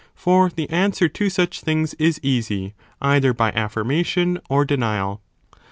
for the answer to such things is easy either by affirmation or denial.